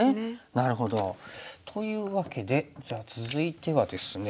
なるほど。というわけでじゃあ続いてはですね